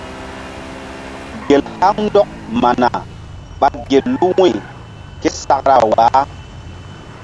Gel haŋ ndɔk mana ɓa gel lu wu̧y ke sakra waah.